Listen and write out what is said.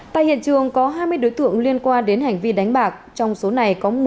tại hiện trường có hai mươi đối tượng liên quan đến hành vi đánh bạc trong số này có một mươi người là nữ